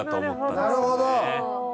なるほど。